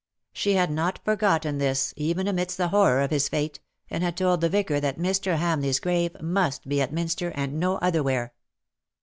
She had not forgotten this even amidst the horror of his fate^ and had told the vicar that Mr. Hamleigh's grave must be at Minster and no otherwhere.